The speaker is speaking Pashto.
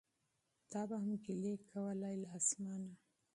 تا به هم ګیلې کولای له اسمانه